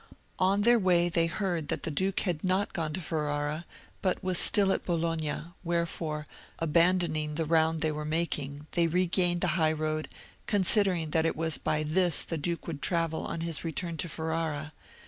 On their way they heard that the duke had not gone to Ferrara, but was still at Bologna, wherefore, abandoning the round they were making, they regained the high road, considering that it was by this the duke would travel on his return to Ferrara.